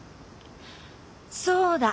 そうだ。